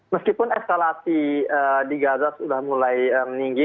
meskipun eskalasi di gaza sudah mulai meninggi